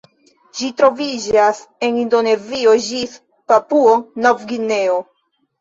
Ĝi troviĝas el Indonezio ĝis Papuo-Nov-Gvineo.